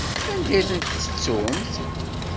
Anda i tent-tettumt?